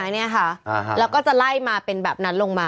นี่ค่ะแล้วก็จะไล่มาเป็นแบบนั้นลงมา